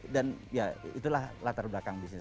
dan ya itulah latar belakang bisnis